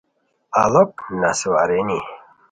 اڑوک نسوارینی